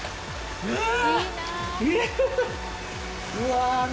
うわ！